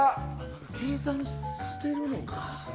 計算しているのか。